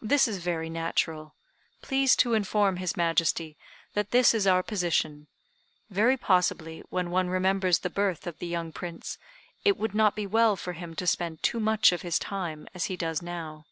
This is very natural. Please to inform his Majesty that this is our position. Very possibly, when one remembers the birth of the young Prince, it would not be well for him to spend too much of his time as he does now."